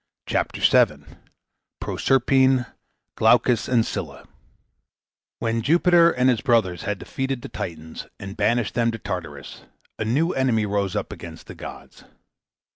CHAPTER VII PROSERPINE GLAUCUS AND SCYLLA When Jupiter and his brothers had defeated the Titans and banished them to Tartarus, a new enemy rose up against the gods.